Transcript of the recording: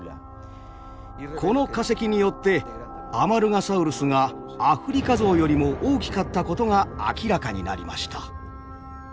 この化石によってアマルガサウルスがアフリカゾウよりも大きかったことが明らかになりました。